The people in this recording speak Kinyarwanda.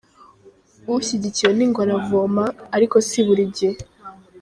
Ushyigikiwe n’ingwe aravoma, ariko si burigihe!